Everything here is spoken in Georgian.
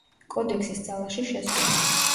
კოდექსის ძალაში შესვლა.